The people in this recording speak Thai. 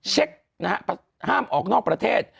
เช็คนะฮะห้ามออกนอกประเทศ